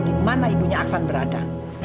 di mana ibunya akan berada